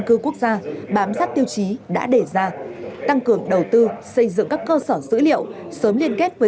cư quốc gia bám sát tiêu chí đã đề ra tăng cường đầu tư xây dựng các cơ sở dữ liệu sớm liên kết với